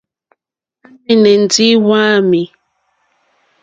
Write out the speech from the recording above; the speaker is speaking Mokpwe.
À mɛ̀nɛ́ ndí wàámì.